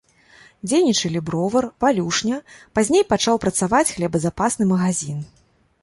Дзейнічалі бровар, валюшня, пазней пачаў працаваць хлебазапасны магазін.